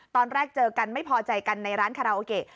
ตอนแรกเจอกันไม่พอใจกันในร้านคาราโอเกะ